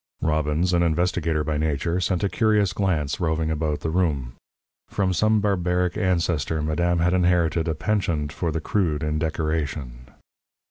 Robbins, an investigator by nature, sent a curious glance roving about the room. From some barbaric ancestor, madame had inherited a penchant for the crude in decoration.